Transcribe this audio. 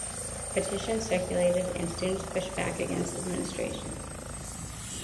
Petitions circulated and students pushed back against administration.